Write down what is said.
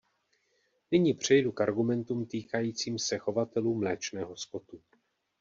Nyní přejdu k argumentům týkajícím se chovatelů mléčného skotu.